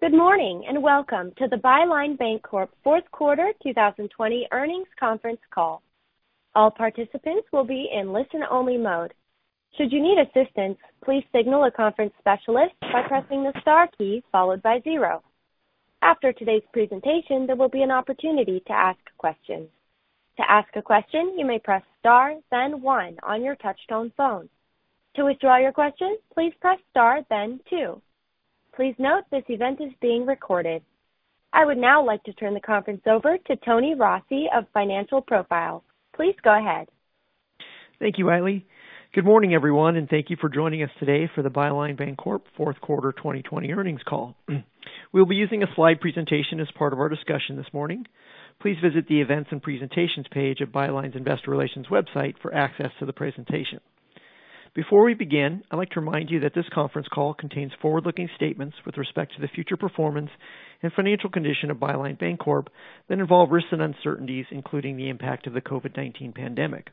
Good morning, and welcome to the Byline Bancorp fourth quarter 2020 earnings conference call. All participants will be in listen-only mode. Should you need assistance, please signal a conference specialist by pressing the star key followed by zero. After today's presentation, there will be an opportunity to ask a question. To ask a question, you may press star then one on your touch-tone phone. To withdraw your question, please press star then two. Please note this event is being recorded. I would now like to turn the conference over to Tony Rossi of Financial Profiles. Please go ahead. Thank you, Riley. Good morning, everyone, and thank you for joining us today for the Byline Bancorp fourth quarter 2020 earnings call. We'll be using a slide presentation as part of our discussion this morning. Please visit the Events and Presentations page of Byline's Investor Relations website for access to the presentation. Before we begin, I'd like to remind you that this conference call contains forward-looking statements with respect to the future performance and financial condition of Byline Bancorp that involve risks and uncertainties, including the impact of the COVID-19 pandemic.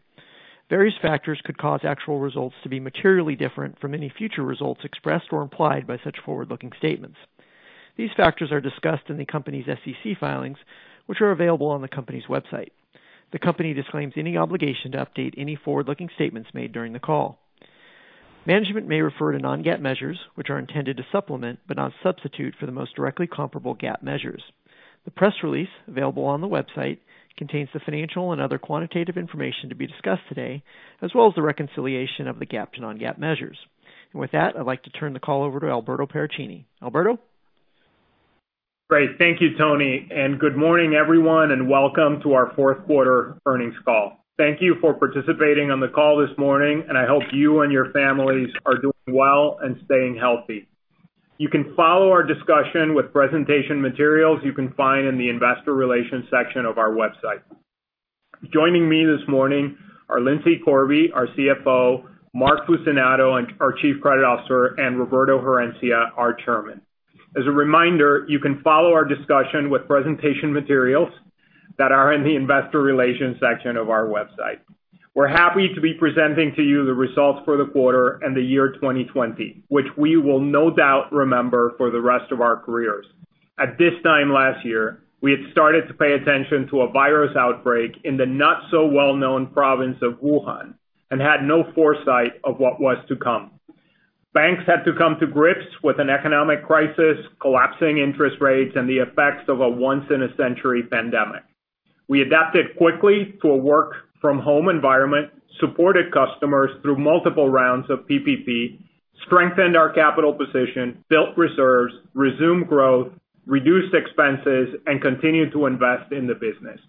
Various factors could cause actual results to be materially different from any future results expressed or implied by such forward-looking statements. These factors are discussed in the company's SEC filings, which are available on the company's website. The company disclaims any obligation to update any forward-looking statements made during the call. Management may refer to non-GAAP measures, which are intended to supplement, but not substitute, for the most directly comparable GAAP measures. The press release available on the website contains the financial and other quantitative information to be discussed today, as well as the reconciliation of the GAAP to non-GAAP measures. With that, I'd like to turn the call over to Alberto Paracchini. Alberto? Great. Thank you, Tony, good morning, everyone, and welcome to our fourth quarter earnings call. Thank you for participating on the call this morning, I hope you and your families are doing well and staying healthy. You can follow our discussion with presentation materials you can find in the Investor Relations section of our website. Joining me this morning are Lindsay Corby, our CFO, Mark Fucinato, our Chief Credit Officer, and Roberto Herencia, our Chairman. As a reminder, you can follow our discussion with presentation materials that are in the Investor Relations section of our website. We're happy to be presenting to you the results for the quarter and the year 2020, which we will no doubt remember for the rest of our careers. At this time last year, we had started to pay attention to a virus outbreak in the not-so-well-known province of Wuhan and had no foresight of what was to come. Banks had to come to grips with an economic crisis, collapsing interest rates, and the effects of a once-in-a-century pandemic. We adapted quickly to a work-from-home environment, supported customers through multiple rounds of PPP, strengthened our capital position, built reserves, resumed growth, reduced expenses, and continued to invest in the business.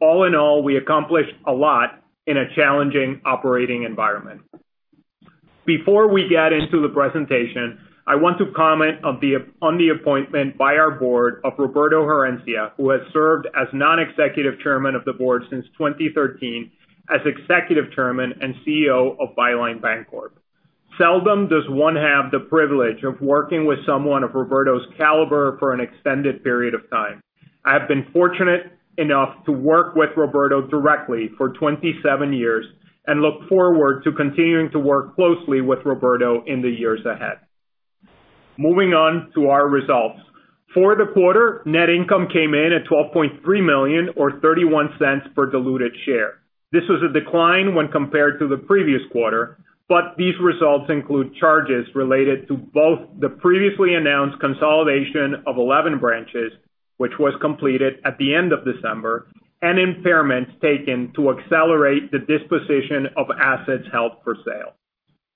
All in all, we accomplished a lot in a challenging operating environment. Before we get into the presentation, I want to comment on the appointment by our board of Roberto Herencia, who has served as non-executive chairman of the board since 2013 as executive chairman and CEO of Byline Bancorp. Seldom does one have the privilege of working with someone of Roberto's caliber for an extended period of time. I have been fortunate enough to work with Roberto directly for 27 years and look forward to continuing to work closely with Roberto in the years ahead. Moving on to our results. For the quarter, net income came in at $12.3 million or $0.31 per diluted share. This was a decline when compared to the previous quarter, but these results include charges related to both the previously announced consolidation of 11 branches, which was completed at the end of December, and impairments taken to accelerate the disposition of assets held for sale.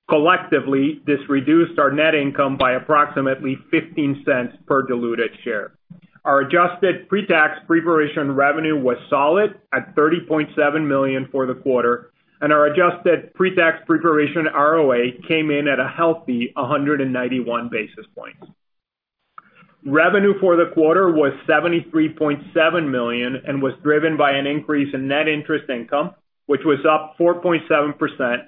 Collectively, this reduced our net income by approximately $0.15 per diluted share. Our adjusted pre-tax pre-provision revenue was solid at $30.7 million for the quarter, and our adjusted pre-tax pre-provision ROA came in at a healthy 191 basis points. Revenue for the quarter was $73.7 million and was driven by an increase in net interest income, which was up 4.7%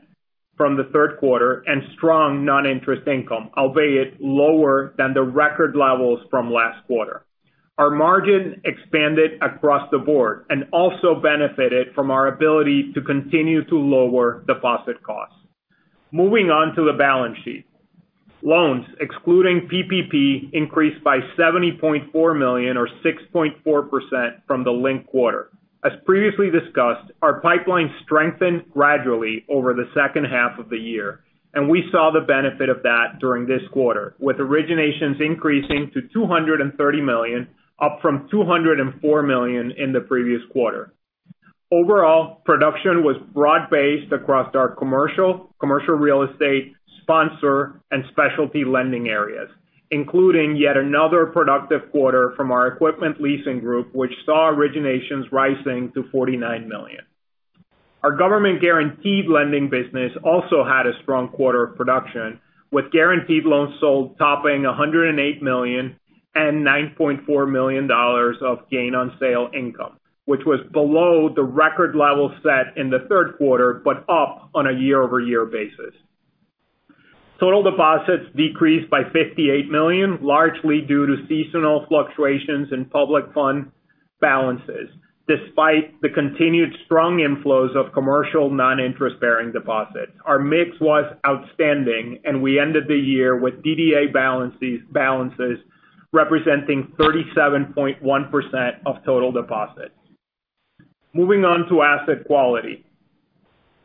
from the third quarter, and strong non-interest income, albeit lower than the record levels from last quarter. Our margin expanded across the board and also benefited from our ability to continue to lower deposit costs. Moving on to the balance sheet. Loans, excluding PPP, increased by $70.4 million or 6.4% from the linked quarter. As previously discussed, our pipeline strengthened gradually over the second half of the year, and we saw the benefit of that during this quarter, with originations increasing to $230 million, up from $204 million in the previous quarter. Overall, production was broad-based across our commercial real estate, sponsor, and specialty lending areas, including yet another productive quarter from our equipment leasing group, which saw originations rising to $49 million. Our government-guaranteed lending business also had a strong quarter of production, with guaranteed loans sold topping $108 million and $9.4 million of gain on sale income, which was below the record level set in the third quarter, but up on a year-over-year basis. Total deposits decreased by $58 million, largely due to seasonal fluctuations in public fund balances despite the continued strong inflows of commercial non-interest-bearing deposits. Our mix was outstanding, and we ended the year with DDA balances representing 37.1% of total deposits. Moving on to asset quality.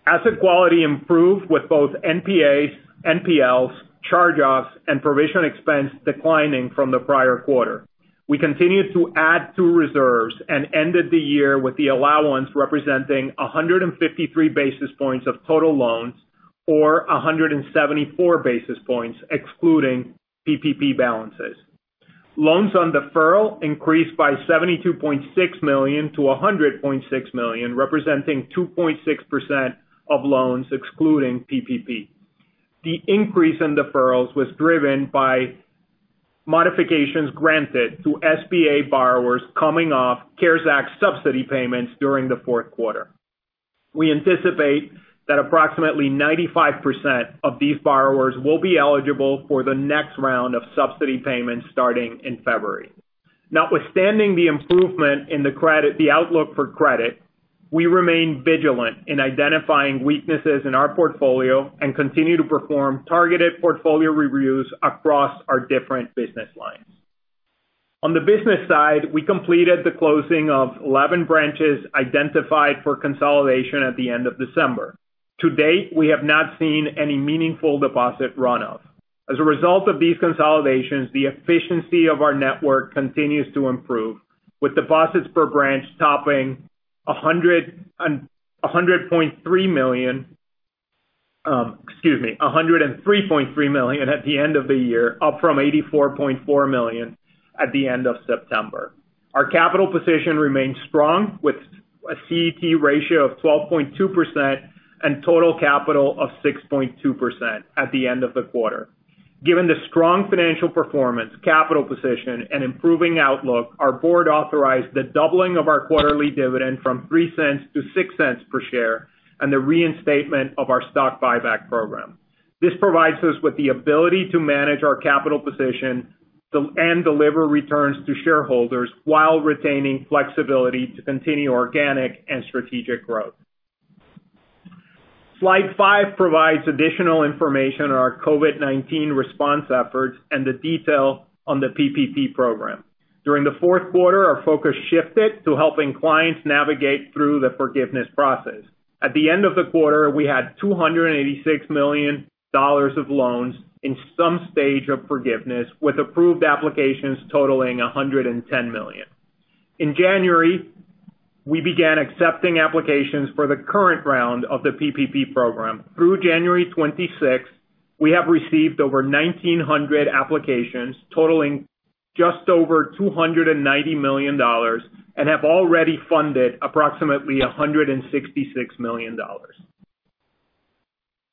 Asset quality improved with both NPAs, NPLs, charge-offs, and provision expense declining from the prior quarter. We continued to add to reserves and ended the year with the allowance representing 153 basis points of total loans, or 174 basis points excluding PPP balances. Loans on deferral increased by $72.6 million to $100.6 million, representing 2.6% of loans excluding PPP. The increase in deferrals was driven by modifications granted to SBA borrowers coming off CARES Act subsidy payments during the fourth quarter. We anticipate that approximately 95% of these borrowers will be eligible for the next round of subsidy payments starting in February. Notwithstanding the improvement in the outlook for credit, we remain vigilant in identifying weaknesses in our portfolio and continue to perform targeted portfolio reviews across our different business lines. On the business side, we completed the closing of 11 branches identified for consolidation at the end of December. To date, we have not seen any meaningful deposit runoff. As a result of these consolidations, the efficiency of our network continues to improve, with deposits per branch topping $103.3 million at the end of the year, up from $84.4 million at the end of September. Our capital position remains strong, with a CET ratio of 12.2% and total capital of 16.2% at the end of the quarter. Given the strong financial performance, capital position, and improving outlook, our board authorized the doubling of our quarterly dividend from $0.03 to $0.06 per share and the reinstatement of our stock buyback program. This provides us with the ability to manage our capital position and deliver returns to shareholders while retaining flexibility to continue organic and strategic growth. Slide five provides additional information on our COVID-19 response efforts and the detail on the PPP program. During the fourth quarter, our focus shifted to helping clients navigate through the forgiveness process. At the end of the quarter, we had $286 million of loans in some stage of forgiveness, with approved applications totaling $110 million. In January, we began accepting applications for the current round of the PPP program. Through January 26th, we have received over 1,900 applications totaling just over $290 million and have already funded approximately $166 million.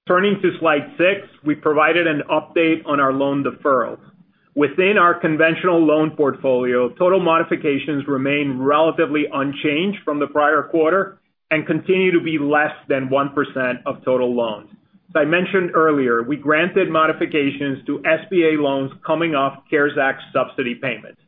Turning to slide six, we provided an update on our loan deferrals. Within our conventional loan portfolio, total modifications remain relatively unchanged from the prior quarter and continue to be less than 1% of total loans. As I mentioned earlier, we granted modifications to SBA loans coming off CARES Act subsidy payments.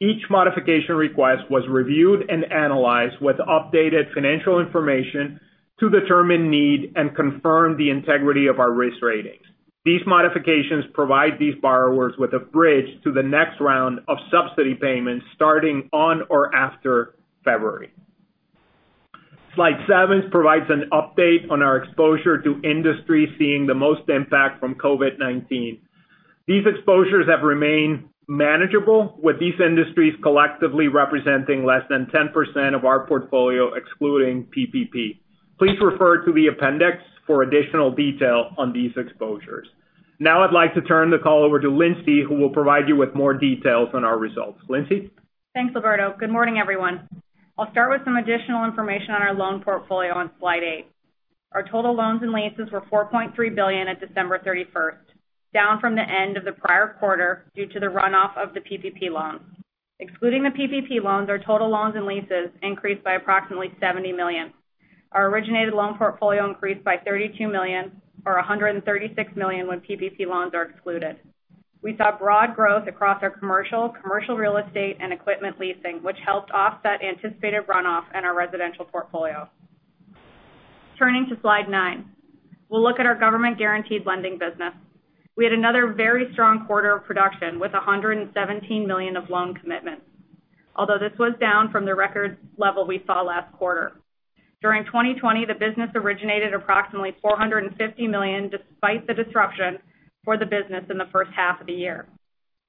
Each modification request was reviewed and analyzed with updated financial information to determine need and confirm the integrity of our risk ratings. These modifications provide these borrowers with a bridge to the next round of subsidy payments starting on or after February. Slide seven provides an update on our exposure to industries seeing the most impact from COVID-19. These exposures have remained manageable, with these industries collectively representing less than 10% of our portfolio, excluding PPP. Please refer to the appendix for additional detail on these exposures. Now I'd like to turn the call over to Lindsay, who will provide you with more details on our results. Lindsay? Thanks, Alberto. Good morning, everyone. I'll start with some additional information on our loan portfolio on slide eight. Our total loans and leases were $4.3 billion at December 31st, down from the end of the prior quarter due to the runoff of the PPP loans. Excluding the PPP loans, our total loans and leases increased by approximately $70 million. Our originated loan portfolio increased by $32 million, or $136 million when PPP loans are excluded. We saw broad growth across our commercial real estate, and equipment leasing, which helped offset anticipated runoff in our residential portfolio. Turning to slide nine. We'll look at our government-guaranteed lending business. We had another very strong quarter of production with $117 million of loan commitments. Although this was down from the record level we saw last quarter. During 2020, the business originated approximately $450 million, despite the disruption for the business in the first half of the year.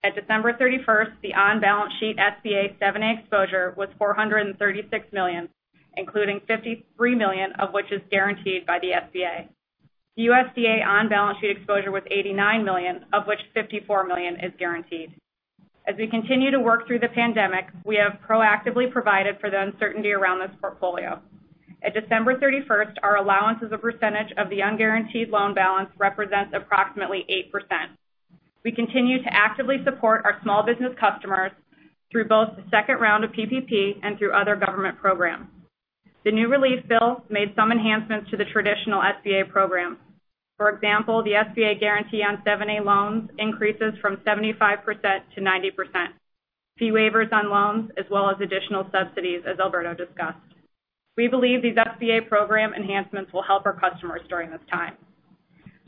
At December 31st, the on-balance sheet SBA 7(a) exposure was $436 million, including $53 million of which is guaranteed by the SBA. The USDA on-balance sheet exposure was $89 million, of which $54 million is guaranteed. As we continue to work through the pandemic, we have proactively provided for the uncertainty around this portfolio. At December 31st, our allowance as a percentage of the unguaranteed loan balance represents approximately 8%. We continue to actively support our small business customers through both the second round of PPP and through other government programs. The new relief bill made some enhancements to the traditional SBA program. For example, the SBA guarantee on 7(a) loans increases from 75% to 90%. Fee waivers on loans, as well as additional subsidies, as Alberto discussed. We believe these SBA program enhancements will help our customers during this time.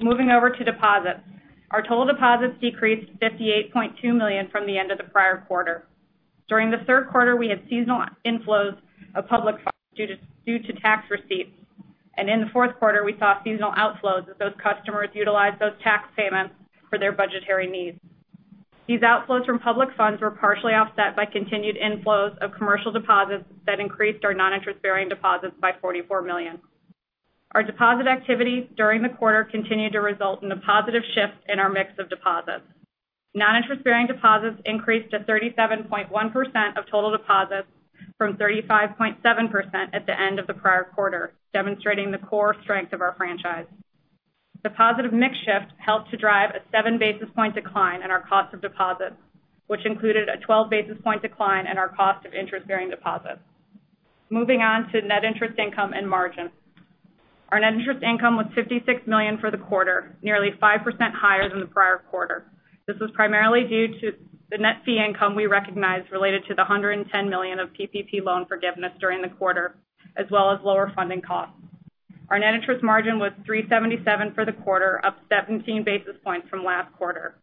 Moving over to deposits. Our total deposits decreased by $58.2 million from the end of the prior quarter. During the third quarter, we had seasonal inflows of public funds due to tax receipts. In the fourth quarter, we saw seasonal outflows as those customers utilized those tax payments for their budgetary needs. These outflows from public funds were partially offset by continued inflows of commercial deposits that increased our non-interest-bearing deposits by $44 million. Our deposit activity during the quarter continued to result in a positive shift in our mix of deposits. Non-interest-bearing deposits increased to 37.1% of total deposits from 35.7% at the end of the prior quarter, demonstrating the core strength of our franchise. The positive mix shift helped to drive a 7 basis point decline in our cost of deposits, which included a 12 basis point decline in our cost of interest-bearing deposits. Moving on to net interest income and margin. Our net interest income was $56 million for the quarter, nearly 5% higher than the prior quarter. This was primarily due to the net fee income we recognized related to the $110 million of PPP loan forgiveness during the quarter, as well as lower funding costs. Our net interest margin was 377 for the quarter, up 17 basis points from last quarter.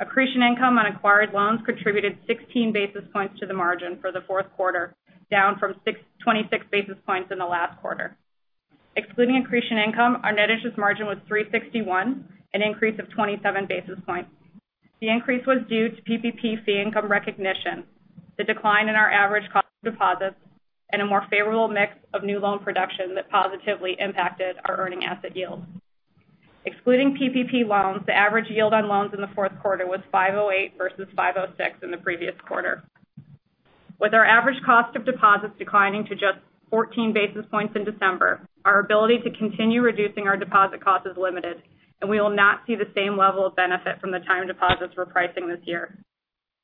Accretion income on acquired loans contributed 16 basis points to the margin for the fourth quarter, down from 26 basis points in the last quarter. Excluding accretion income, our net interest margin was 361, an increase of 27 basis points. The increase was due to PPP fee income recognition. The decline in our average cost of deposits and a more favorable mix of new loan production that positively impacted our earning asset yields. Excluding PPP loans, the average yield on loans in the fourth quarter was 508 versus 506 in the previous quarter. With our average cost of deposits declining to just 14 basis points in December, our ability to continue reducing our deposit cost is limited, and we will not see the same level of benefit from the time deposits repricing this year.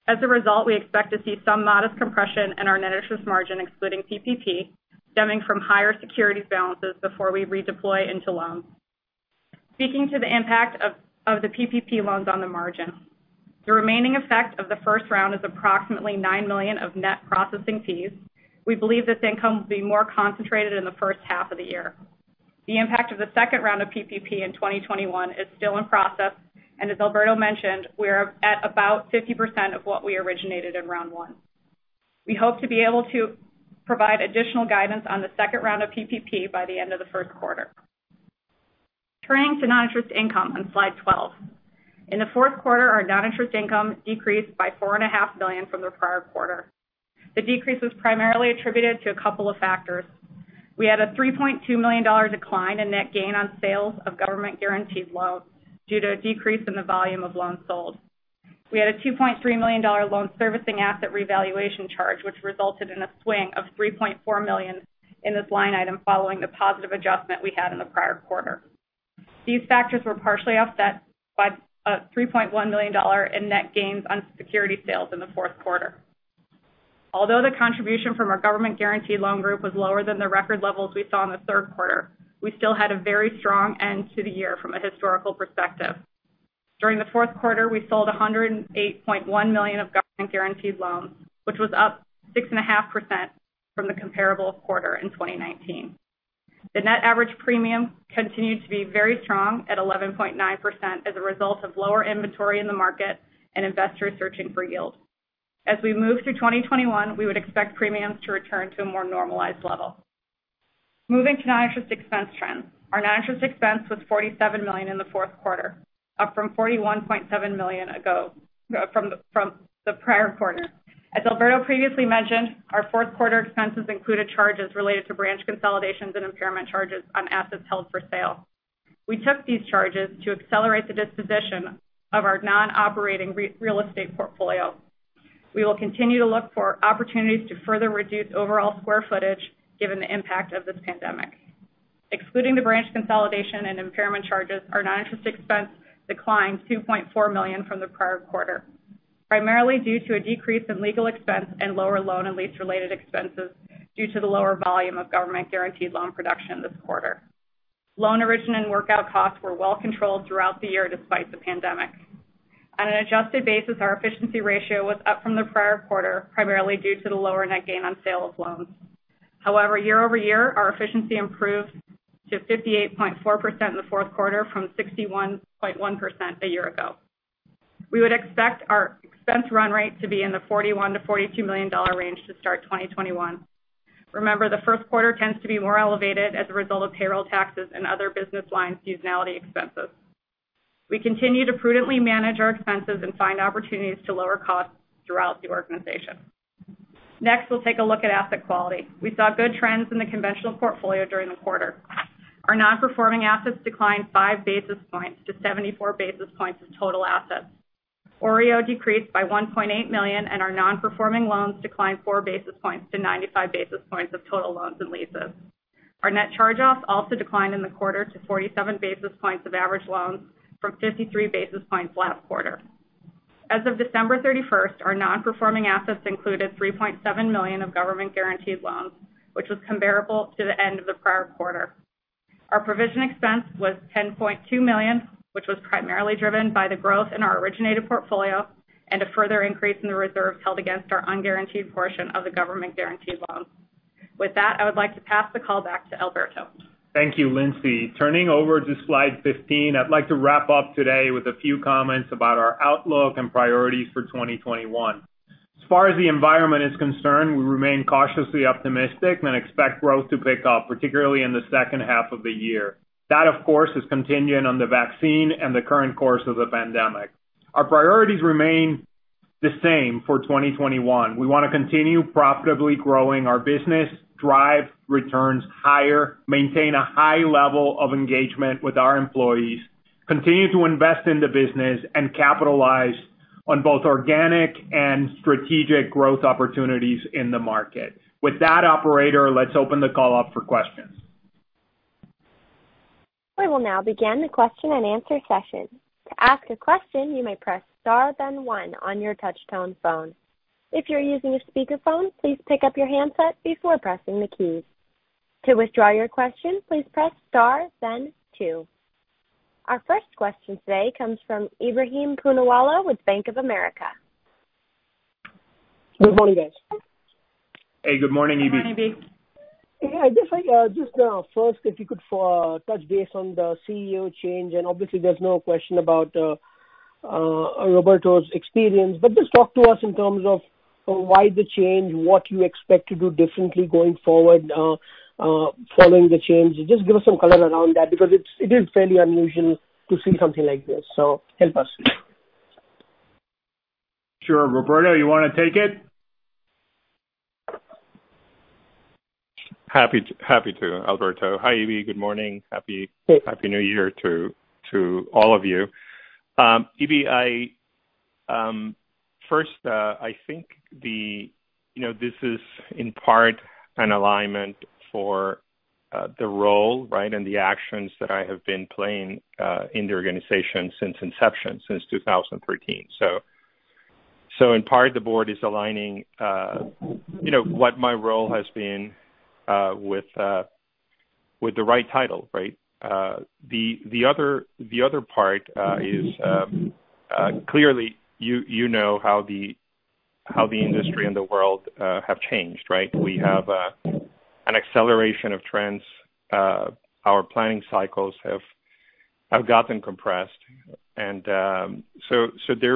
As a result, we expect to see some modest compression in our net interest margin excluding PPP, stemming from higher security balances before we redeploy into loans. Speaking to the impact of the PPP loans on the margin. The remaining effect of the first round is approximately $9 million of net processing fees. We believe this income will be more concentrated in the first half of the year. The impact of the second round of PPP in 2021 is still in process, and as Alberto mentioned, we are at about 50% of what we originated in round one. We hope to be able to provide additional guidance on the second round of PPP by the end of the first quarter. Turning to non-interest income on slide 12. In the fourth quarter, our non-interest income decreased by $4.5 million from the prior quarter. The decrease was primarily attributed to a couple of factors. We had a $3.2 million decline in net gain on sales of government-guaranteed loans due to a decrease in the volume of loans sold. We had a $2.3 million loan servicing asset revaluation charge, which resulted in a swing of $3.4 million in this line item following the positive adjustment we had in the prior quarter. These factors were partially offset by a $3.1 million in net gains on security sales in the fourth quarter. Although the contribution from our government-guaranteed loan group was lower than the record levels we saw in the third quarter, we still had a very strong end to the year from a historical perspective. During the fourth quarter, we sold $108.1 million of government-guaranteed loans, which was up 6.5% from the comparable quarter in 2019. The net average premium continued to be very strong at 11.9% as a result of lower inventory in the market and investors searching for yield. As we move through 2021, we would expect premiums to return to a more normalized level. Moving to non-interest expense trends. Our non-interest expense was $47 million in the fourth quarter, up from $41.7 million from the prior quarter. As Alberto previously mentioned, our fourth quarter expenses included charges related to branch consolidations and impairment charges on assets held for sale. We took these charges to accelerate the disposition of our non-operating real estate portfolio. We will continue to look for opportunities to further reduce overall square footage given the impact of this pandemic. Excluding the branch consolidation and impairment charges, our non-interest expense declined $2.4 million from the prior quarter. Primarily due to a decrease in legal expense and lower loan and lease-related expenses due to the lower volume of government-guaranteed loan production this quarter. Loan origination and workout costs were well controlled throughout the year despite the pandemic. On an adjusted basis, our efficiency ratio was up from the prior quarter, primarily due to the lower net gain on sale of loans. However, year-over-year, our efficiency improved to 58.4% in the fourth quarter from 61.1% a year ago. We would expect our expense run rate to be in the $41 million-$42 million range to start 2021. Remember, the first quarter tends to be more elevated as a result of payroll taxes and other business line seasonality expenses. We continue to prudently manage our expenses and find opportunities to lower costs throughout the organization. Next, we'll take a look at asset quality. We saw good trends in the conventional portfolio during the quarter. Our Non-Performing Assets declined five basis points to 74 basis points of total assets. OREO decreased by $1.8 million and our non-performing loans declined four basis points to 95 basis points of total loans and leases. Our net charge-offs also declined in the quarter to 47 basis points of average loans from 53 basis points last quarter. As of December 31st, our non-performing assets included $3.7 million of government-guaranteed loans, which was comparable to the end of the prior quarter. Our provision expense was $10.2 million, which was primarily driven by the growth in our originated portfolio and a further increase in the reserves held against our unguaranteed portion of the government-guaranteed loans. With that, I would like to pass the call back to Alberto. Thank you, Lindsay. Turning over to slide 15, I'd like to wrap up today with a few comments about our outlook and priorities for 2021. As far as the environment is concerned, we remain cautiously optimistic and expect growth to pick up, particularly in the second half of the year. That, of course, is contingent on the vaccine and the current course of the pandemic. Our priorities remain the same for 2021. We want to continue profitably growing our business, drive returns higher, maintain a high level of engagement with our employees, continue to invest in the business, and capitalize on both organic and strategic growth opportunities in the market. With that, operator, let's open the call up for questions. Our first question today comes from Ebrahim Poonawala with Bank of America. Good morning, guys. Hey, good morning, Eb. Good morning, Eb. Yeah, I guess just first if you could touch base on the CEO change, and obviously there's no question about Roberto's experience. Just talk to us in terms of why the change, what you expect to do differently going forward following the change. Just give us some color around that because it is fairly unusual to see something like this. Help us. Sure. Roberto, you want to take it? Happy to, Alberto. Hi, Eb. Good morning. Happy new year to all of you. Eb, first, I think this is in part an alignment for the role and the actions that I have been playing in the organization since inception, since 2013. In part, the board is aligning what my role has been with the right title. The other part is clearly you know how the industry and the world have changed, right? We have an acceleration of trends. Our planning cycles have gotten compressed. There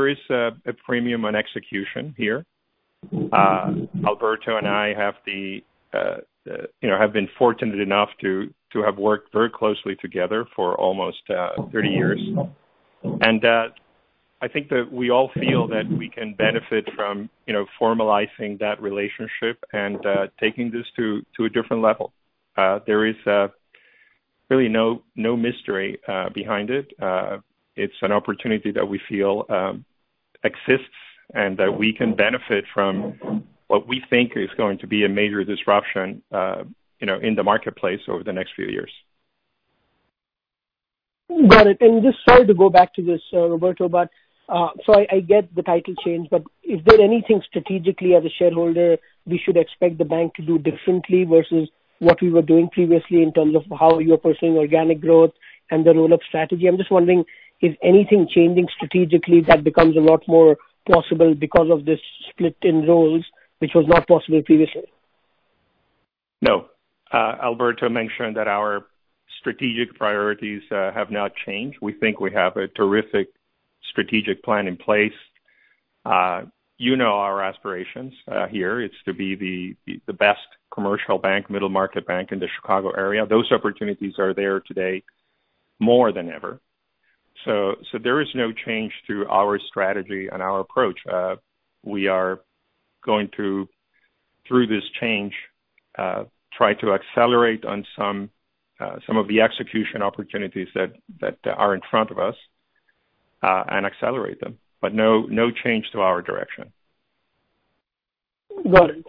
is a premium on execution here. Alberto and I have been fortunate enough to have worked very closely together for almost 30 years. I think that we all feel that we can benefit from formalizing that relationship and taking this to a different level. There is really no mystery behind it. It's an opportunity that we feel exists and that we can benefit from what we think is going to be a major disruption in the marketplace over the next few years. Got it. Just sorry to go back to this, Roberto, so I get the title change, but is there anything strategically as a shareholder we should expect the bank to do differently versus what we were doing previously in terms of how you're pursuing organic growth and the roll-up strategy? I'm just wondering, is anything changing strategically that becomes a lot more possible because of this split in roles, which was not possible previously? No. Alberto mentioned that our strategic priorities have not changed. We think we have a terrific strategic plan in place. You know our aspirations here. It's to be the best commercial bank, middle-market bank in the Chicago area. Those opportunities are there today more than ever. There is no change to our strategy and our approach. We are going to, through this change, try to accelerate on some of the execution opportunities that are in front of us and accelerate them. No change to our direction. Got it.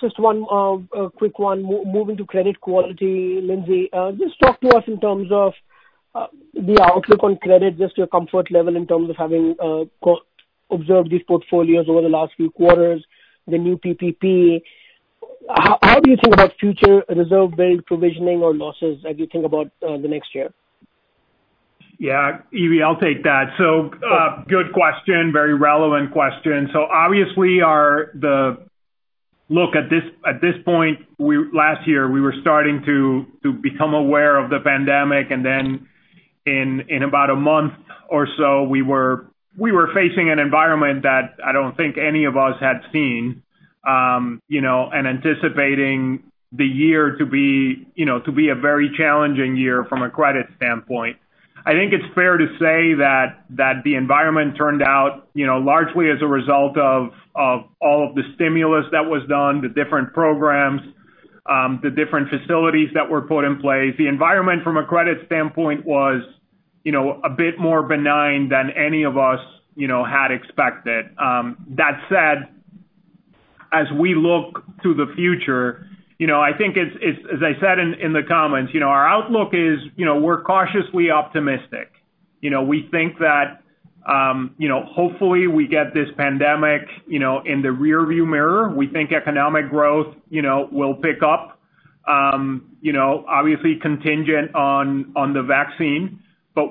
Just one quick one. Moving to credit quality, Lindsay, just talk to us in terms of the outlook on credit, just your comfort level in terms of having observed these portfolios over the last few quarters, the new PPP. How do you think about future reserve build provisioning or losses as you think about the next year? Yeah, Eb, I'll take that. Good question. Very relevant question. Obviously, look, at this point last year, we were starting to become aware of the pandemic. In about a month or so, we were facing an environment that I don't think any of us had seen and anticipating the year to be a very challenging year from a credit standpoint. I think it's fair to say that the environment turned out largely as a result of all of the stimulus that was done, the different programs, the different facilities that were put in place. The environment from a credit standpoint was a bit more benign than any of us had expected. That said. As we look to the future, I think as I said in the comments, our outlook is we're cautiously optimistic. We think that hopefully we get this pandemic in the rearview mirror. We think economic growth will pick up. Obviously contingent on the vaccine.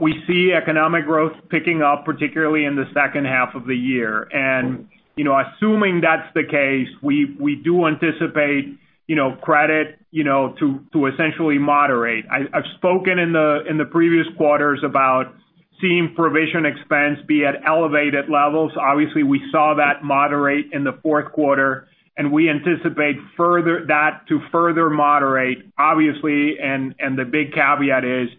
We see economic growth picking up particularly in the second half of the year. Assuming that's the case, we do anticipate credit to essentially moderate. I've spoken in the previous quarters about seeing provision expense be at elevated levels. Obviously, we saw that moderate in the fourth quarter, and we anticipate that to further moderate, obviously, and the big caveat is,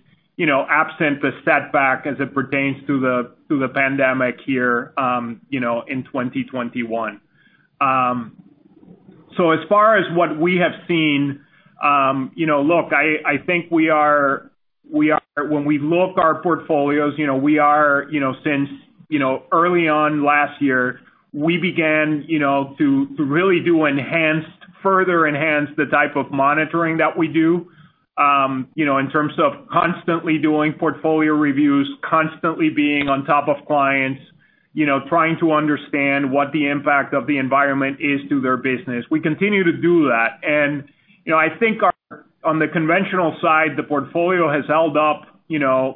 absent the setback as it pertains to the pandemic here in 2021. As far as what we have seen, look, I think when we look our portfolios, since early on last year, we began to really further enhance the type of monitoring that we do, in terms of constantly doing portfolio reviews, constantly being on top of clients, trying to understand what the impact of the environment is to their business. We continue to do that. I think on the conventional side, the portfolio has held up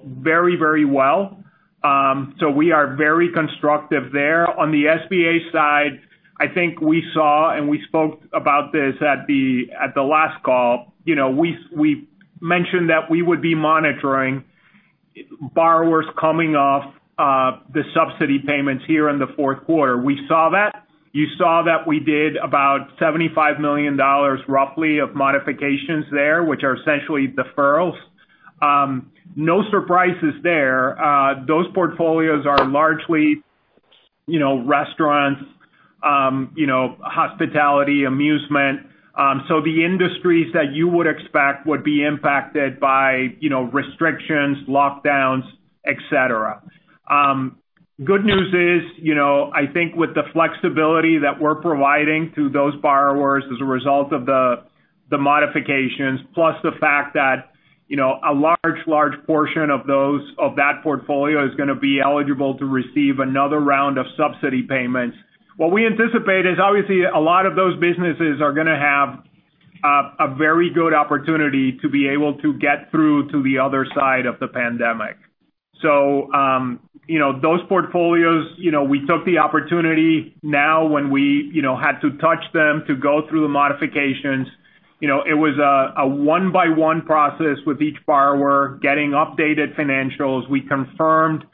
very well. We are very constructive there. On the SBA side, I think we saw, and we spoke about this at the last call. We mentioned that we would be monitoring borrowers coming off the subsidy payments here in the fourth quarter. We saw that. You saw that we did about $75 million roughly of modifications there, which are essentially deferrals. No surprises there. Those portfolios are largely restaurants, hospitality, amusement. The industries that you would expect would be impacted by restrictions, lockdowns, et cetera. Good news is, I think with the flexibility that we're providing to those borrowers as a result of the modifications, plus the fact that a large portion of that portfolio is going to be eligible to receive another round of subsidy payments. What we anticipate is obviously a lot of those businesses are going to have a very good opportunity to be able to get through to the other side of the pandemic. Those portfolios, we took the opportunity now when we had to touch them to go through the modifications. It was a one by one process with each borrower getting updated financials. We confirmed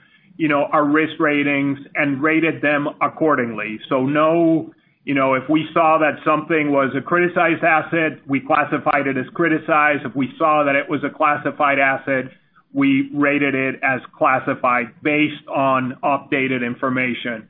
our risk ratings and rated them accordingly. If we saw that something was a criticized asset, we classified it as criticized. If we saw that it was a classified asset, we rated it as classified based on updated information.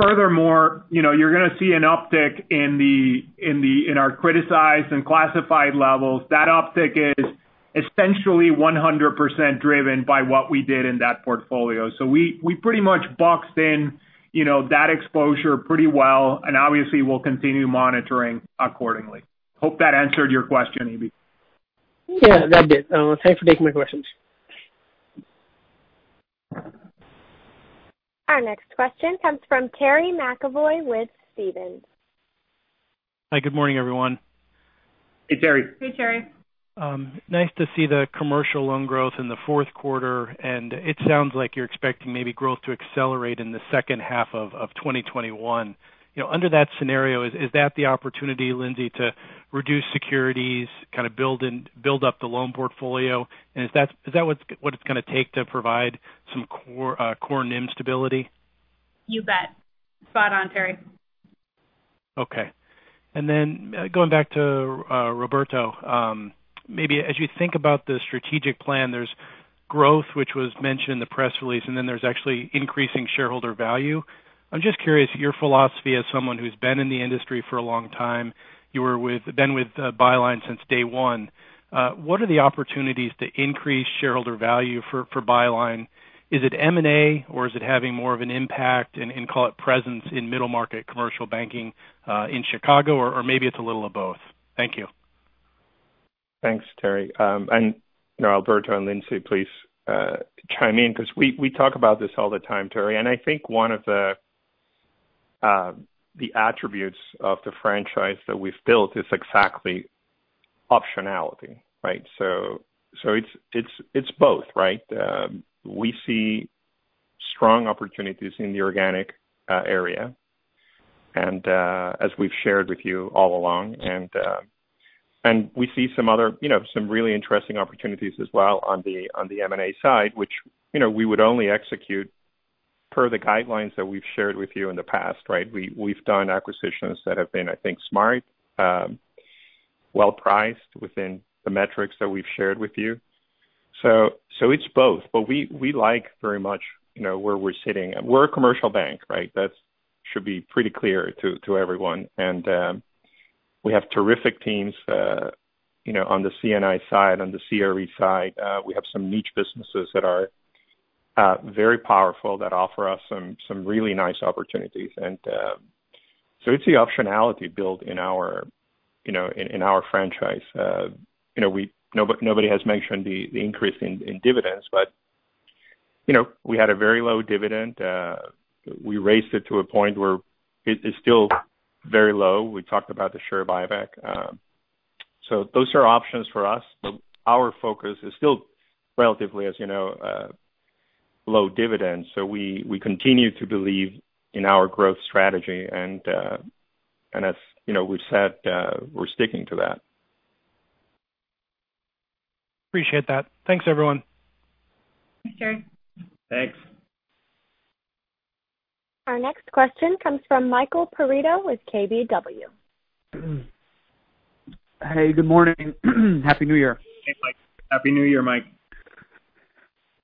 Furthermore, you're going to see an uptick in our criticized and classified levels. That uptick is essentially 100% driven by what we did in that portfolio. We pretty much boxed in that exposure pretty well, and obviously we'll continue monitoring accordingly. Hope that answered your question, Eb. Yeah, that did. Thanks for taking my questions. Our next question comes from Terry McEvoy with Stephens. Hi, good morning, everyone. Hey, Terry. Hey, Terry. Nice to see the commercial loan growth in the fourth quarter, and it sounds like you're expecting maybe growth to accelerate in the second half of 2021. Under that scenario, is that the opportunity, Lindsay, to reduce securities, kind of build up the loan portfolio? Is that what it's going to take to provide some core NIM stability? You bet. Spot on, Terry. Going back to Roberto, maybe as you think about the strategic plan, there's growth which was mentioned in the press release, then there's actually increasing shareholder value. I'm just curious, your philosophy as someone who's been in the industry for a long time. You were with Byline since day one. What are the opportunities to increase shareholder value for Byline? Is it M&A or is it having more of an impact and call it presence in middle market commercial banking in Chicago, or maybe it's a little of both? Thank you. Thanks, Terry. Roberto and Lindsay, please chime in because we talk about this all the time, Terry. I think one of the attributes of the franchise that we've built is exactly optionality, right? It's both, right? We see strong opportunities in the organic area. As we've shared with you all along, and we see some really interesting opportunities as well on the M&A side, which we would only execute per the guidelines that we've shared with you in the past, right? We've done acquisitions that have been, I think, smart, well-priced within the metrics that we've shared with you. It's both. We like very much where we're sitting. We're a commercial bank, right? That should be pretty clear to everyone. We have terrific teams on the C&I side, on the CRE side. We have some niche businesses that are Very powerful that offer us some really nice opportunities. It's the optionality built in our franchise. Nobody has mentioned the increase in dividends, but we had a very low dividend. We raised it to a point where it is still very low. We talked about the share buyback. Those are options for us. Our focus is still relatively, as you know, low dividend. We continue to believe in our growth strategy, and as we've said, we're sticking to that. Appreciate that. Thanks, everyone. Thanks, Terry. Thanks. Our next question comes from Michael Perito with KBW. Hey, good morning. Happy New Year. Thanks, Mike. Happy New Year, Mike.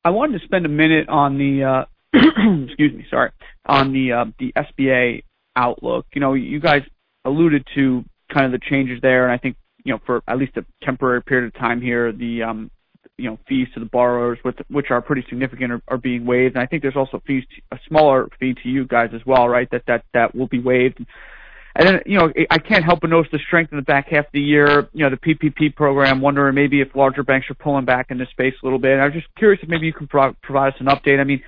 I wanted to spend a minute on the, excuse me, sorry, on the SBA outlook. You guys alluded to kind of the changes there, and I think, for at least a temporary period of time here, the fees to the borrowers, which are pretty significant, are being waived. I think there's also a smaller fee to you guys as well, right? That will be waived. I can't help but notice the strength in the back half of the year, the PPP program. I was wondering maybe if larger banks are pulling back in this space a little bit. I was just curious if maybe you can provide us an update.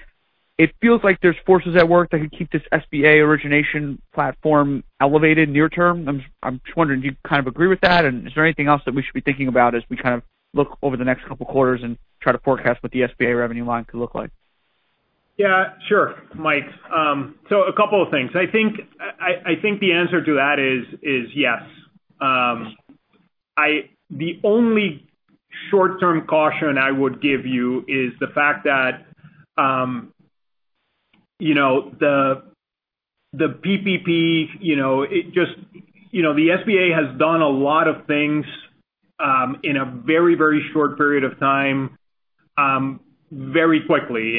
It feels like there's forces at work that could keep this SBA origination platform elevated near term. I'm just wondering, do you kind of agree with that, and is there anything else that we should be thinking about as we kind of look over the next couple quarters and try to forecast what the SBA revenue line could look like? Yeah. Sure, Mike. A couple of things. I think the answer to that is yes. The only short-term caution I would give you is the fact that the SBA has done a lot of things in a very short period of time very quickly.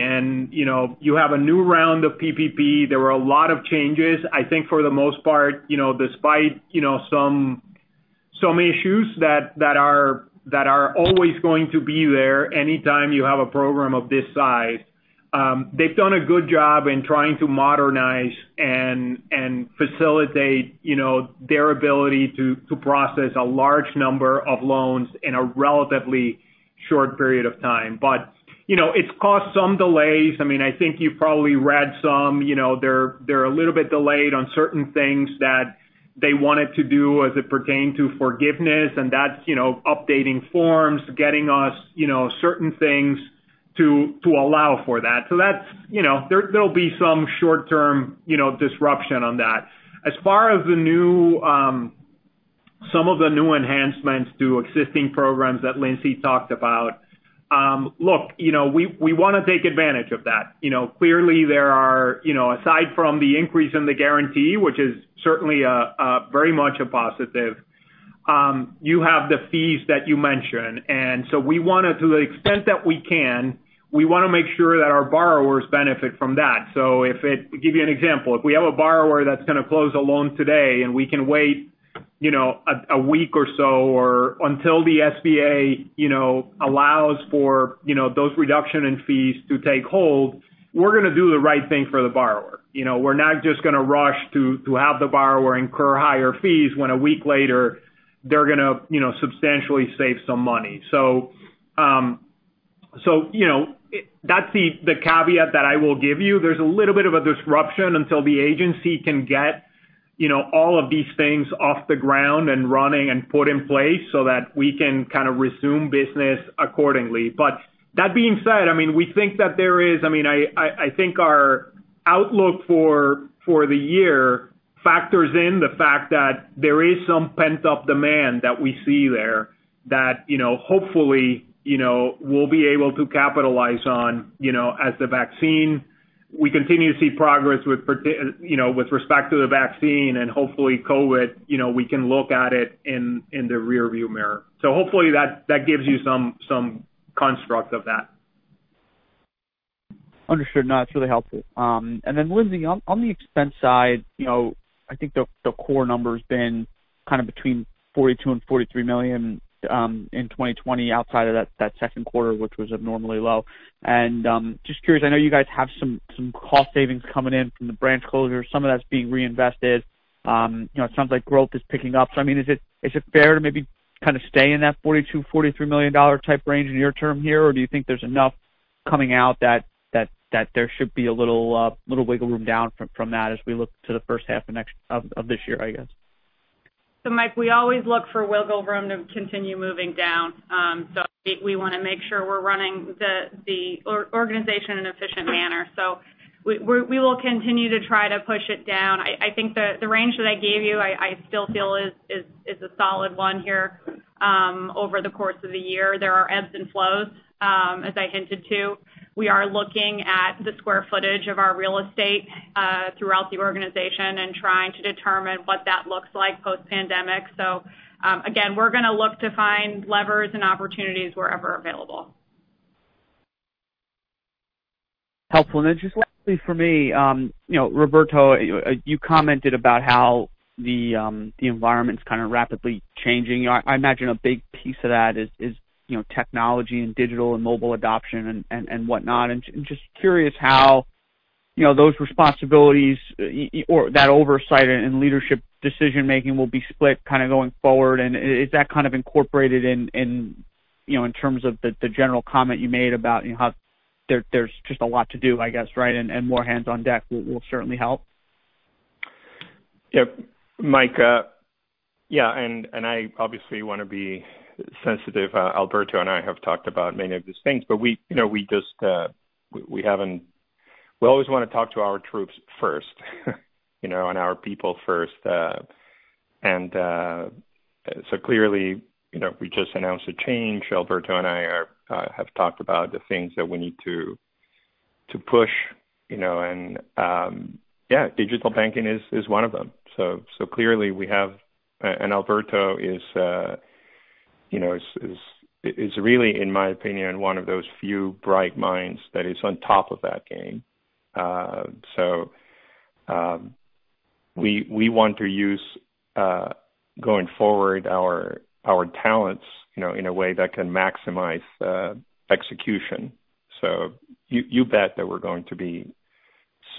You have a new round of PPP. There were a lot of changes. I think for the most part, despite some issues that are always going to be there anytime you have a program of this size. They've done a good job in trying to modernize and facilitate their ability to process a large number of loans in a relatively short period of time. It's caused some delays. I think you've probably read some. They're a little bit delayed on certain things that they wanted to do as it pertained to forgiveness, and that's updating forms, getting us certain things to allow for that. There'll be some short-term disruption on that. As far as some of the new enhancements to existing programs that Lindsay talked about. Look, we want to take advantage of that. Clearly, aside from the increase in the guarantee, which is certainly very much a positive, you have the fees that you mentioned. To the extent that we can, we want to make sure that our borrowers benefit from that. To give you an example. If we have a borrower that's going to close a loan today, and we can wait a week or so, or until the SBA allows for those reduction in fees to take hold, we're going to do the right thing for the borrower. We're not just going to rush to have the borrower incur higher fees when a week later they're going to substantially save some money. That's the caveat that I will give you. There's a little bit of a disruption until the agency can get all of these things off the ground and running and put in place so that we can kind of resume business accordingly. That being said, I think our outlook for the year factors in the fact that there is some pent-up demand that we see there that hopefully we'll be able to capitalize on. We continue to see progress with respect to the vaccine, and hopefully COVID, we can look at it in the rear-view mirror. Hopefully that gives you some construct of that. Understood. No, that is really helpful. Lindsay, on the expense side, I think the core number's been kind of between $42 million and $43 million in 2020, outside of that second quarter, which was abnormally low. Just curious, I know you guys have some cost savings coming in from the branch closures. Some of that's being reinvested. It sounds like growth is picking up. Is it fair to maybe kind of stay in that $42 million, $43 million type range near-term here, or do you think there's enough coming out that there should be a little wiggle room down from that as we look to the first half of this year, I guess? Mike, we always look for wiggle room to continue moving down. We want to make sure we're running the organization in an efficient manner. We will continue to try to push it down. I think the range that I gave you, I still feel is a solid one here. Over the course of the year, there are ebbs and flows, as I hinted to. We are looking at the square footage of our real estate throughout the organization and trying to determine what that looks like post-pandemic. Again, we're going to look to find levers and opportunities wherever available. Helpful. Just lastly for me, Roberto, you commented about how the environment's kind of rapidly changing. I imagine a big piece of that is technology and digital and mobile adoption and whatnot. Just curious how those responsibilities or that oversight and leadership decision-making will be split kind of going forward. Is that kind of incorporated in terms of the general comment you made about how there's just a lot to do, I guess, right? More hands on deck will certainly help. Yep. Mike, yeah, I obviously want to be sensitive. Alberto and I have talked about many of these things. We always want to talk to our troops first and our people first. Clearly, we just announced a change. Alberto and I have talked about the things that we need to push and, yeah, digital banking is one of them. Alberto is really, in my opinion, one of those few bright minds that is on top of that game. We want to use going forward our talents in a way that can maximize execution. You bet that we're going to be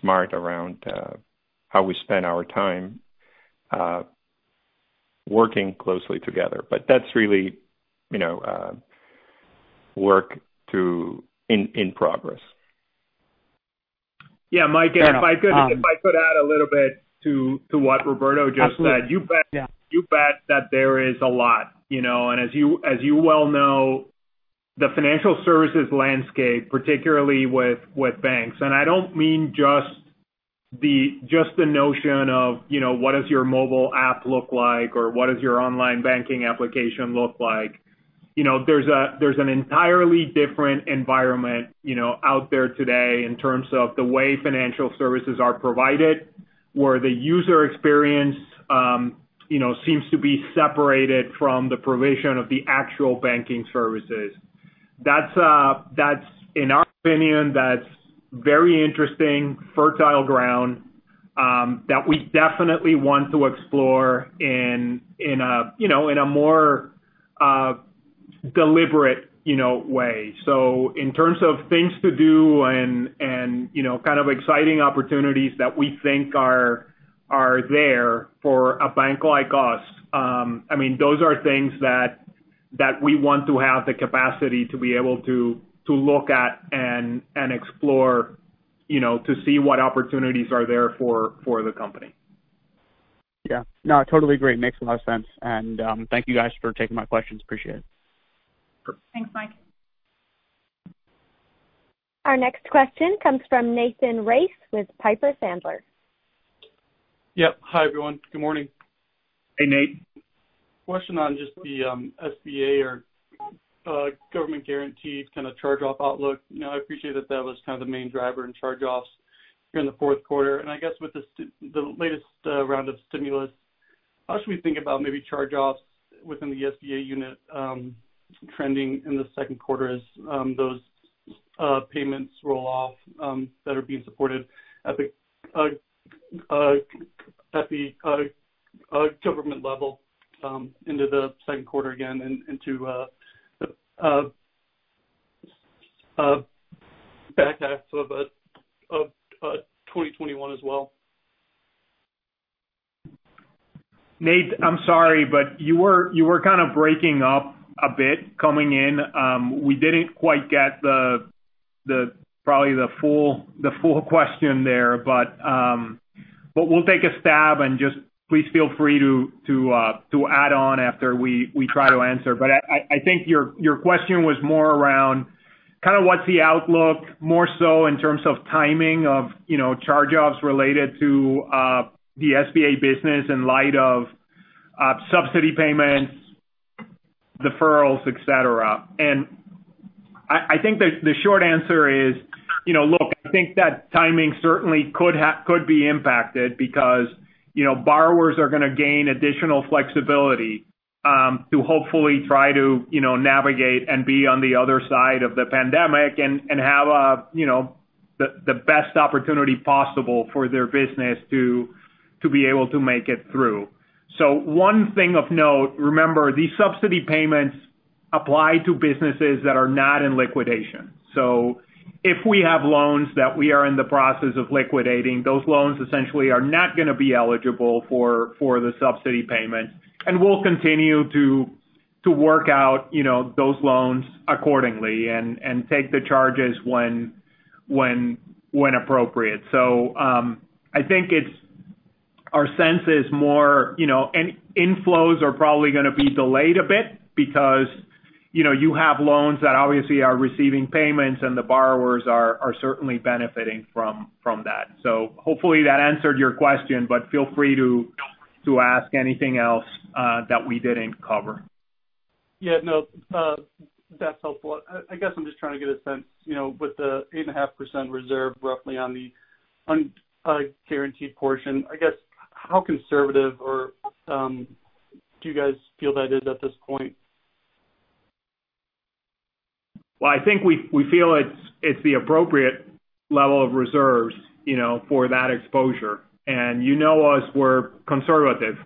smart around how we spend our time working closely together. That's really work in progress. Yeah, Mike. Fair enough. If I could add a little bit to what Roberto just said. Absolutely. Yeah. You bet that there is a lot. As you well know, the financial services landscape, particularly with banks, and I don't mean just the notion of what does your mobile app look like or what does your online banking application look like? There's an entirely different environment out there today in terms of the way financial services are provided, where the user experience seems to be separated from the provision of the actual banking services. In our opinion, that's very interesting, fertile ground that we definitely want to explore in a more deliberate way. In terms of things to do and kind of exciting opportunities that we think are there for a bank like us, those are things that we want to have the capacity to be able to look at and explore to see what opportunities are there for the company. Yeah. No, I totally agree. Makes a lot of sense. Thank you guys for taking my questions. Appreciate it. Sure. Thanks, Mike. Our next question comes from Nathan Race with Piper Sandler. Yep. Hi, everyone. Good morning. Hey, Nate. Question on just the SBA or government guaranteed kind of charge-off outlook. I appreciate that that was kind of the main driver in charge-offs here in the fourth quarter. I guess with the latest round of stimulus, how should we think about maybe charge-offs within the SBA unit trending in the second quarter as those payments roll off that are being supported at the government level into the second quarter again and into back half of 2021 as well? Nathan Race, I'm sorry, you were breaking up a bit coming in. We didn't get the full question there. We'll take a stab and please feel free to add on after we try to answer. I think your question was more around what's the outlook more so in terms of timing of charge-offs related to the SBA business in light of subsidy payments, deferrals, et cetera. I think the short answer is, I think that timing certainly could be impacted because borrowers are going to gain additional flexibility to hopefully try to navigate and be on the other side of the pandemic and have the best opportunity possible for their business to be able to make it through. One thing of note, remember, these subsidy payments apply to businesses that are not in liquidation. If we have loans that we are in the process of liquidating, those loans essentially are not going to be eligible for the subsidy payment. We'll continue to work out those loans accordingly and take the charges when appropriate. I think our sense is more inflows are probably going to be delayed a bit because you have loans that obviously are receiving payments and the borrowers are certainly benefiting from that. Hopefully that answered your question, but feel free to ask anything else that we didn't cover. Yeah, no. That's helpful. I guess I'm just trying to get a sense with the 8.5% reserve roughly on the unguaranteed portion. I guess how conservative or do you guys feel that is at this point? Well, I think we feel it's the appropriate level of reserves for that exposure. You know us, we're conservative.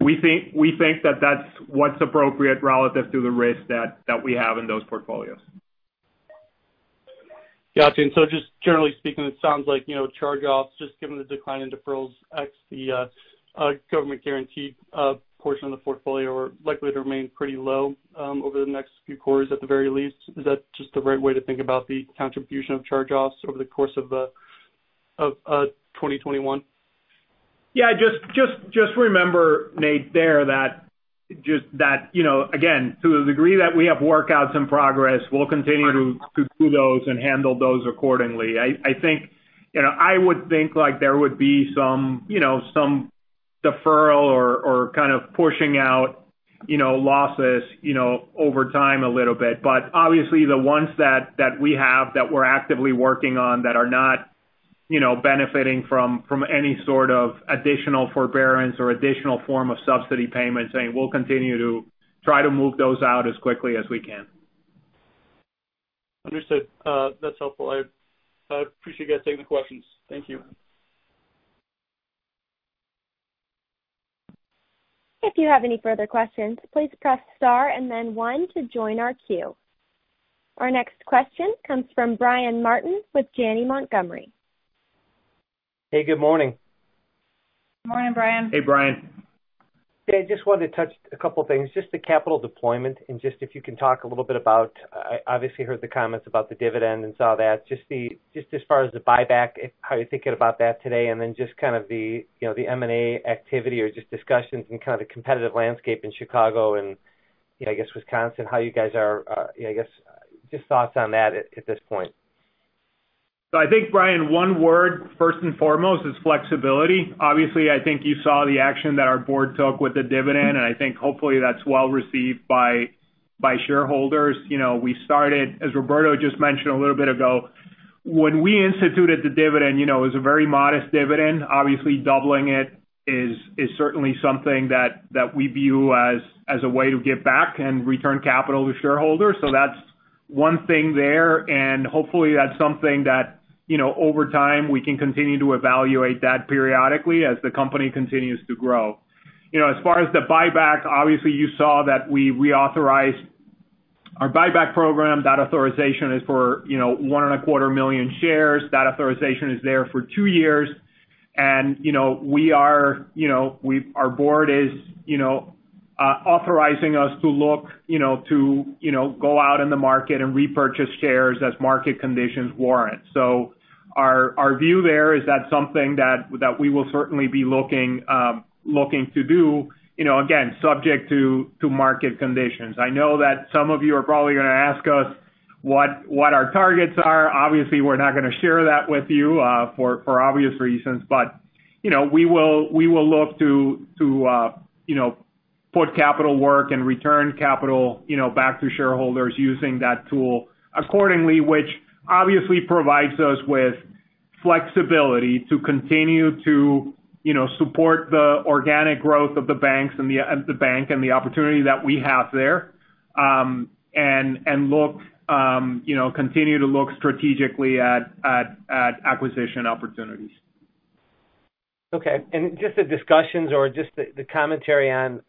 We think that that's what's appropriate relative to the risk that we have in those portfolios. Got you. Just generally speaking, it sounds like charge-offs, just given the decline in deferrals ex the government guaranteed portion of the portfolio, are likely to remain pretty low over the next few quarters at the very least. Is that just the right way to think about the contribution of charge-offs over the course of 2021? Yeah. Just remember, Nate, there that again, to the degree that we have workouts in progress, we'll continue to do those and handle those accordingly. I would think there would be some deferral or kind of pushing out losses over time a little bit. Obviously the ones that we have that we're actively working on that are not benefiting from any sort of additional forbearance or additional form of subsidy payments, we'll continue to try to move those out as quickly as we can. Understood. That's helpful. I appreciate you guys taking the questions. Thank you. Our next question comes from Brian Martin with Janney Montgomery. Hey, good morning. Morning, Brian. Hey, Brian. Yeah, just wanted to touch a couple things. Just the capital deployment and just if you can talk a little bit about. I obviously heard the comments about the dividend and saw that. Just as far as the buyback, how you're thinking about that today, just kind of the M&A activity or just discussions and kind of the competitive landscape in Chicago and I guess Wisconsin. Just thoughts on that at this point. I think, Brian, one word, first and foremost, is flexibility. Obviously, I think you saw the action that our board took with the dividend, and I think hopefully that's well-received by shareholders. We started, as Roberto just mentioned a little bit ago, when we instituted the dividend, it was a very modest dividend. Obviously doubling it is certainly something that we view as a way to give back and return capital to shareholders. That's one thing there, and hopefully that's something that over time we can continue to evaluate that periodically as the company continues to grow. As far as the buyback, obviously you saw that we reauthorized our buyback program. That authorization is for one and a quarter million shares. That authorization is there for two years. Our board is authorizing us to go out in the market and repurchase shares as market conditions warrant. Our view there is that's something that we will certainly be looking to do. Again, subject to market conditions. I know that some of you are probably going to ask us what our targets are. Obviously, we're not going to share that with you for obvious reasons. We will look to put capital work and return capital back to shareholders using that tool accordingly, which obviously provides us with flexibility to continue to support the organic growth of the bank and the opportunity that we have there. Continue to look strategically at acquisition opportunities. Okay. Just the discussions or just the commentary on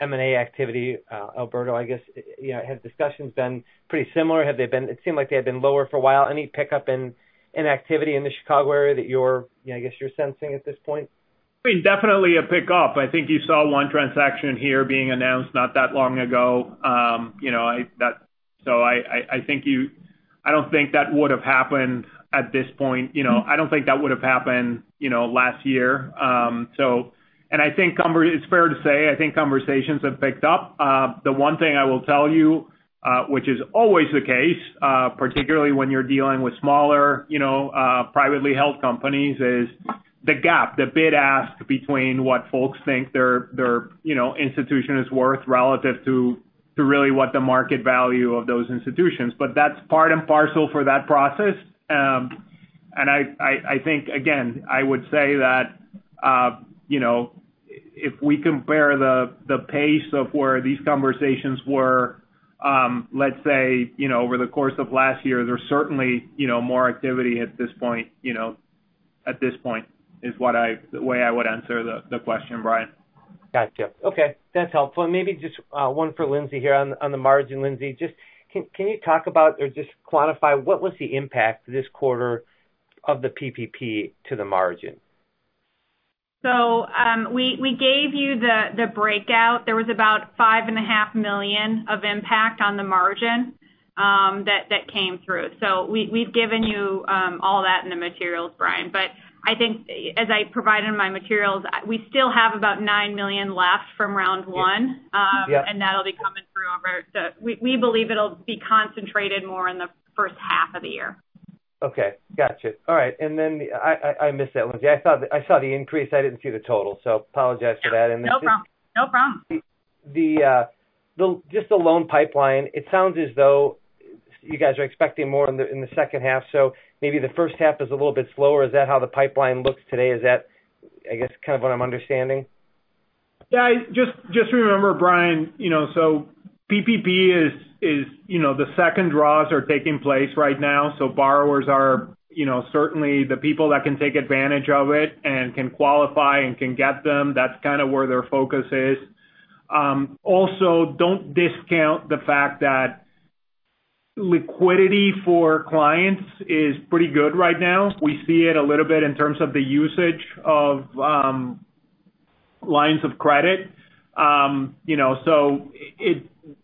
M&A activity. Alberto, I guess, have discussions been pretty similar? It seemed like they had been lower for a while. Any pickup in activity in the Chicago area that I guess you're sensing at this point? I mean, definitely a pickup. I think you saw one transaction here being announced not that long ago. I don't think that would've happened at this point. I don't think that would've happened last year. It's fair to say, I think conversations have picked up. The one thing I will tell you which is always the case particularly when you're dealing with smaller privately held companies, is the gap. The bid-ask between what folks think their institution is worth relative to really what the market value of those institutions. That's part and parcel for that process. I think, again, I would say that if we compare the pace of where these conversations were let's say over the course of last year, there's certainly more activity at this point, is the way I would answer the question, Brian. Gotcha. Okay. That's helpful. Maybe just one for Lindsay here on the margin. Lindsay, can you talk about or just quantify what was the impact this quarter of the PPP to the margin? We gave you the breakout. There was about $5.5 million of impact on the margin that came through. We've given you all that in the materials, Brian. I think as I provided in my materials, we still have about $9 million left from Round 1. Yeah. That'll be coming through. We believe it'll be concentrated more in the first half of the year. Okay. Gotcha. All right. I missed that one. I saw the increase. I didn't see the total. Apologize for that. No problem. Just the loan pipeline. It sounds as though you guys are expecting more in the second half, so maybe the first half is a little bit slower. Is that how the pipeline looks today? Is that I guess kind of what I'm understanding? Just remember, Brian, PPP, the second draws are taking place right now. Borrowers are certainly the people that can take advantage of it and can qualify and can get them. That's kind of where their focus is. Also, don't discount the fact that liquidity for clients is pretty good right now. We see it a little bit in terms of the usage of lines of credit.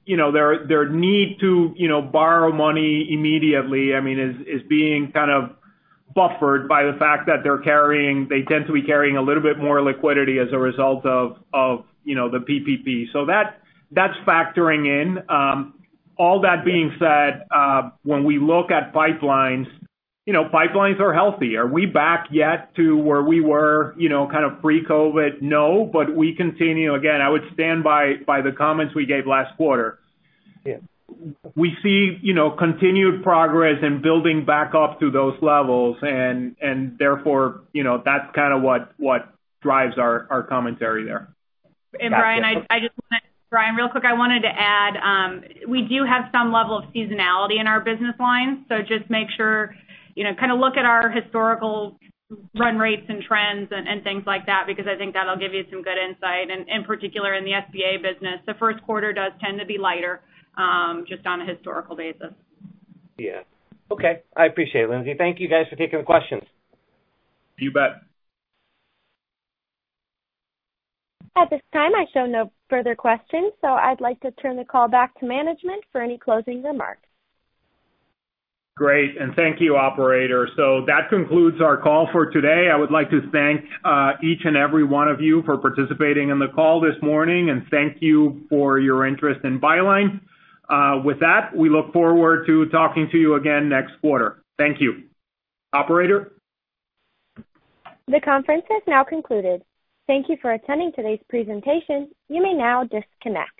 Their need to borrow money immediately is being kind of buffered by the fact that they tend to be carrying a little bit more liquidity as a result of the PPP. That's factoring in. All that being said, when we look at pipelines are healthy. Are we back yet to where we were pre-COVID? No. We continue. Again, I would stand by the comments we gave last quarter. Yeah. We see continued progress in building back up to those levels, and therefore, that's kind of what drives our commentary there. Brian, real quick, I wanted to add, we do have some level of seasonality in our business lines. Just make sure, kind of look at our historical run rates and trends and things like that, because I think that'll give you some good insight. In particular, in the SBA business, the first quarter does tend to be lighter, just on a historical basis. Yeah. Okay. I appreciate it, Lindsay. Thank you guys for taking the questions. You bet. At this time, I show no further questions. I'd like to turn the call back to management for any closing remarks. Great. Thank you, operator. That concludes our call for today. I would like to thank each and every one of you for participating in the call this morning, and thank you for your interest in Byline. With that, we look forward to talking to you again next quarter. Thank you. Operator? The conference has now concluded. Thank you for attending today's presentation. You may now disconnect.